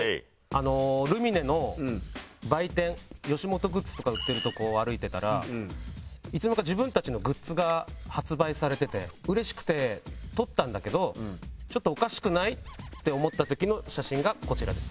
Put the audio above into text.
ルミネの売店吉本グッズとか売ってるとこを歩いてたらいつのまにか自分たちのグッズが発売されててうれしくて撮ったんだけどちょっとおかしくない？って思った時の写真がこちらです。